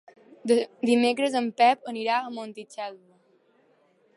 Dimecres en Pep anirà a Montitxelvo.